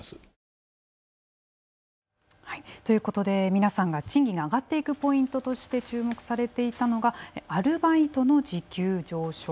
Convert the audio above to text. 皆さんが賃金が上がっていくポイントとして注目されていたのがアルバイトの時給上昇。